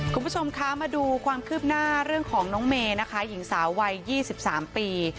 คุณผู้ชมคะมาดูความคืบหน้าเรื่องของน้องเมย์นะคะหญิงสาววัย๒๓ปี